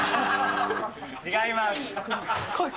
違います。